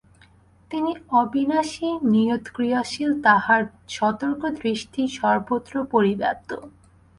তিনি অবিনাশী, নিয়ত-ক্রিয়াশীল, তাঁহার সতর্কদৃষ্টি সর্বত্র পরিব্যাপ্ত।